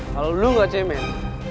kalo lu ga cemil